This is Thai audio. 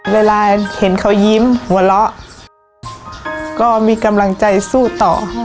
เวลาเห็นเขายิ้มหัวเราะก็มีกำลังใจสู้ต่อ